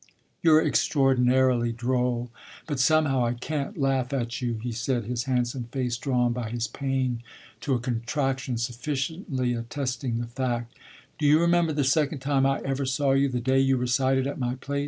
"You're extraordinarily droll, but somehow I can't laugh at you," he said, his handsome face drawn by his pain to a contraction sufficiently attesting the fact. "Do you remember the second time I ever saw you the day you recited at my place?"